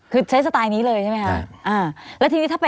คือใช้สไตล์นี้เลยใช่ไหมคะ